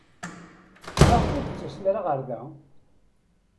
Maɣef kan ur d-ttasen ara ɣer da?